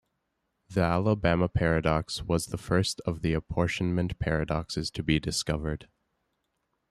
The Alabama paradox was the first of the apportionment paradoxes to be discovered.